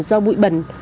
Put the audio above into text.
do bụi bẩn